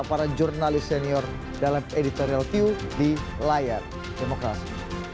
para jurnalis senior dalam editorial view di layar demokrasi